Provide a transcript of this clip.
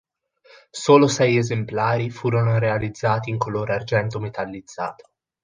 Solo sei esemplari furono realizzati in color Argento Metallizzato.